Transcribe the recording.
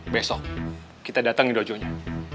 besok kita datang di dojonya